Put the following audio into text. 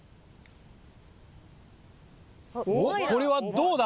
おっこれはどうだ？